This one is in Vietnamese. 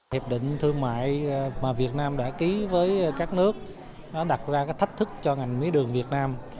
hiệp định thương mại mà việt nam đã ký với các nước nó đặt ra cái thách thức cho ngành mía đường việt nam